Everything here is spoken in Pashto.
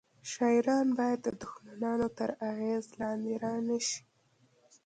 شاعران باید د دښمنانو تر اغیز لاندې رانه شي